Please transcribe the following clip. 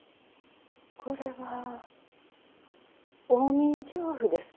これは近江上布ですか？